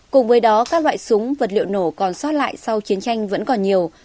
cùng với đó các loại súng vật liệu nổ còn sót lại sau chiến tranh vẫn còn nhiều